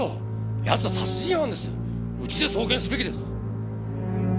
奴は殺人犯ですうちで送検すべきです。